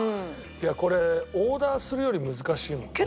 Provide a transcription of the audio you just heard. いやこれオーダーするより難しいもんね全部。